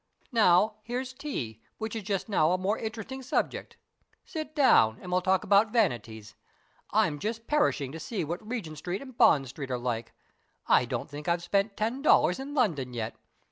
Now, here's tea, which is just now a more interesting subject. Sit down, and we'll talk about vanities. I'm just perishing to see what Regent Street and Bond Street are like. I don't think I've spent ten dollars in London yet.